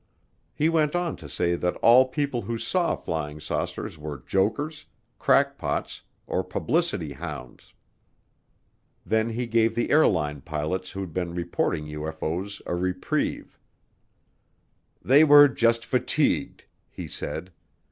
He went on to say that all people who saw flying saucers were jokers, crackpots, or publicity hounds. Then he gave the airline pilots who'd been reporting UFO's a reprieve. "They were just fatigued," he said.